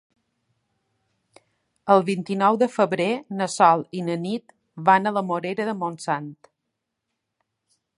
El vint-i-nou de febrer na Sol i na Nit van a la Morera de Montsant.